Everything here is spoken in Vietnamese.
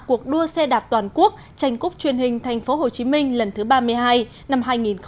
cuộc đua xe đạp toàn quốc tranh cúp truyền hình tp hcm lần thứ ba mươi hai năm hai nghìn hai mươi